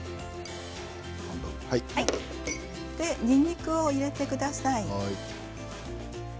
にんにくを入れてください。